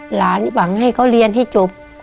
หวังให้เขาเรียนให้จบ